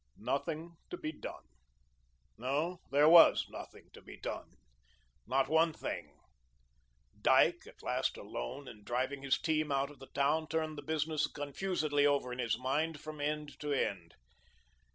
Nothing to be done. No, there was nothing to be done not one thing. Dyke, at last alone and driving his team out of the town, turned the business confusedly over in his mind from end to end.